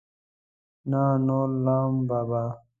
نه نورلام بابا.